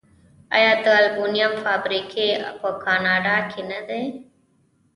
آیا د المونیم فابریکې په کاناډا کې نه دي؟